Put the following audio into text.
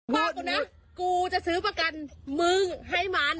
บอกนะกูจะซื้อประกันมึงให้มัน